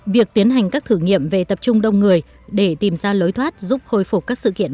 việc tiến hành các thử nghiệm về tập trung đông người để tìm ra lối thoát giúp hồi phục các sự kiện